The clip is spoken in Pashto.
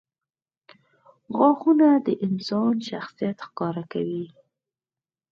• غاښونه د انسان شخصیت ښکاره کوي.